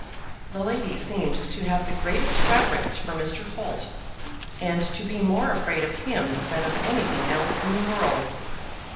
The lady seemed to have the greatest reverence for Mr. Holt, and to be more afraid of him than of anything else in the world.